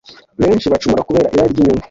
Benshi bacumura kubera irari ry’inyungu,